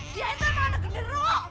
dia itu anak gendruwo